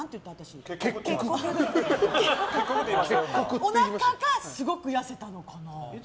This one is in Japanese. おなかがすごく痩せたのかな。